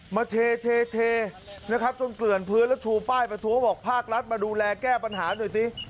มาเทนะครับจนเกลื่อนพื้นแล้วชูป้ายประท้วงบอกภาครัฐมาดูแลแก้ปัญหาหน่อยสิ